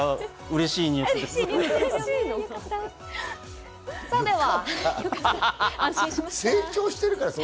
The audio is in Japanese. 嬉しいニュースです。